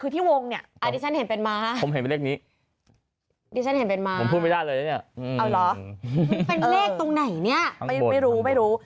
ตรงไหนเนี่ยไม่รู้ไม่รู้